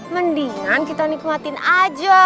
mendingan kita nikmatin aja